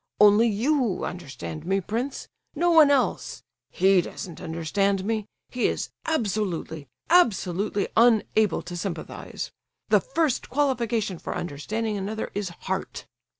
Only you understand me, prince—no one else. He doesn't understand me, he is absolutely—absolutely unable to sympathize. The first qualification for understanding another is Heart."